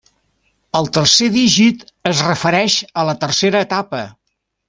El tercer dígit es refereix a la tercera etapa.